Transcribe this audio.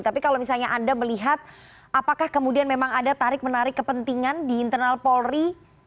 tapi kalau misalnya anda melihat apakah kemudian memang ada tarik menarik kepentingan di internal polri